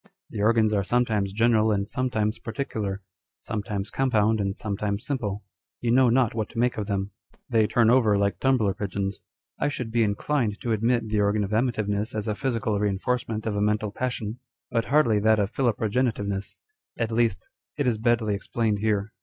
The organs are sometimes general and sometimes particular ; sometimes compound and sometimes simple. You know not what to make of them : they turn over like tumbler pigeons. I should be inclined to admit the organ of amativcness as a physical reinforcement of a mental passion ; but hardly that of pJiiloprogenitiveness â€" at least, it is badly explained here.